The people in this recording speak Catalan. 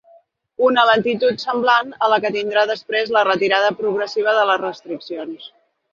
Una lentitud semblant a la que tindrà després la retirada progressiva de les restriccions.